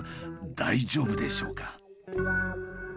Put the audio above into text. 大丈夫でしょうか？